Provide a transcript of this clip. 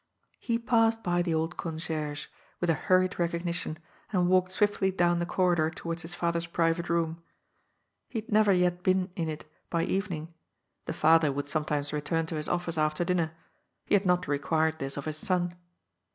He passed by the old concierge, with a hurried recog nition, and walked swiftly down the corridor towards his father's private room. He had never yet been in it by even ing. The father would sometimes return to his office after dinner. He had not required this of his son.